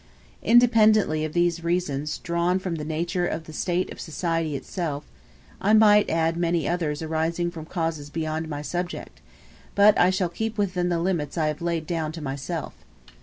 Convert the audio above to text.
Independently of these reasons drawn from the nature of the state of society itself, I might add many others arising from causes beyond my subject; but I shall keep within the limits I have laid down to myself.